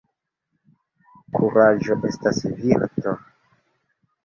Kuraĝo estas virto.